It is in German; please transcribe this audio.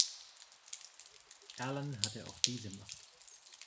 Allen hatte auch diese Macht.